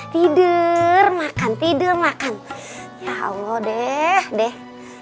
tidur makan tidur makan ya allah deh